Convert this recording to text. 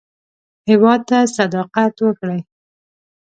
هېواد ته صداقت ورکړئ